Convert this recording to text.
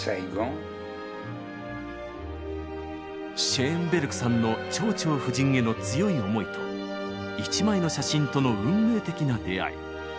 シェーンベルクさんの「蝶々夫人」への強い思いと一枚の写真との運命的な出会い。